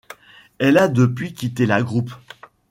Elle a depuis quitté la groupe.